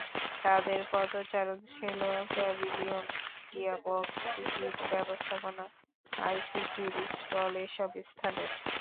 তাঁদের পদচারণ ছিল প্যাভিলিয়ন, মিডিয়া বক্স, টিকিট ব্যবস্থাপনা, আইসিসির স্টল—এসব স্থানে।